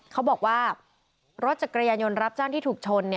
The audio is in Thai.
เขาบอกว่ารถจักรยานยนต์รับจ้างที่ถูกชน